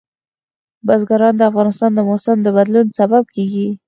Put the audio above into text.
بزګان د افغانستان د موسم د بدلون سبب کېږي.